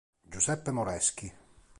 Giuseppe Moreschi